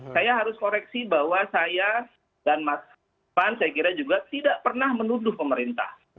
saya harus koreksi bahwa saya dan mas pan saya kira juga tidak pernah menuduh pemerintah